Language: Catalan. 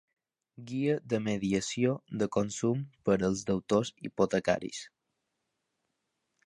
Guia de mediació de consum per als deutors hipotecaris.